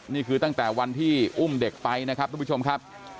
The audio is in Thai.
นี่คือตั้งแต่วันที่อุ้มเด็กไปนะครับทุกผู้ชมครับ